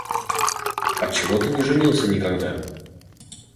Отчего ты не женился никогда?